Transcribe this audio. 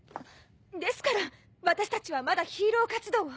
ですから私たちはまだヒーロー活動を。